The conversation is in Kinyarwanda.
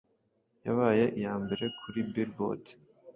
Yabaye iya mbere kuri billboard.